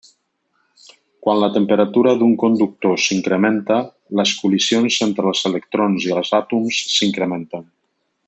Quan la temperatura d'un conductor s'incrementa, les col·lisions entre els electrons i els àtoms s'incrementen.